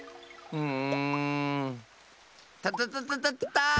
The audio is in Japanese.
うん。